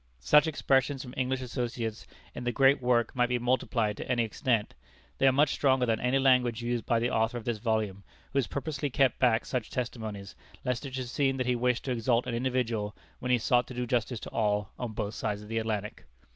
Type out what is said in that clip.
Such expressions from English associates in the great work might be multiplied to any extent. They are much stronger than any language used by the author of this volume, who has purposely kept back such testimonies, lest it should seem that he wished to exalt an individual, when he sought to do justice to all, on both sides of the Atlantic.